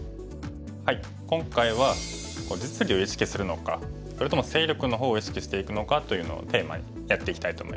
今回は実利を意識するのかそれとも勢力の方を意識していくのかというのをテーマにやっていきたいと思います。